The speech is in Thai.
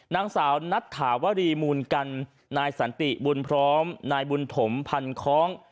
นางสาวนัทถาวรีมูลกันนายสันติบุญพร้อมนายบุญถมพันคล้อง